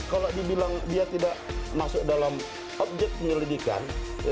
kalau dibilang dia tidak masuk dalam objek penyelidikan